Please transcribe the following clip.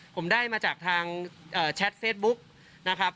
ผมได้มาจากทางแชทเฟซบุ๊กนะครับ